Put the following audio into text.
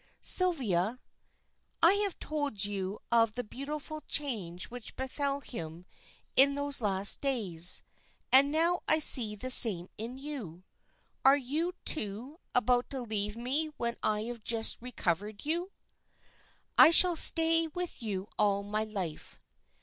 "Sylvia, I have told you of the beautiful change which befell him in those last days, and now I see the same in you. Are you, too, about to leave me when I have just recovered you?" "I shall stay with you all my life."